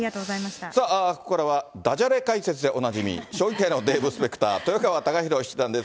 さあ、ここからはだじゃれ解説でおなじみ、将棋界のデーブ・スペクター、豊川孝弘七段です。